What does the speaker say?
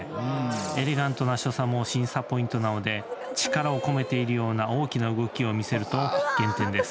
エレガントな所作も審査ポイントなので力を込めているような大きな動きを見せると減点です。